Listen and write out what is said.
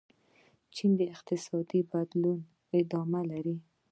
چین اقتصادي بدلونونه ادامه لري.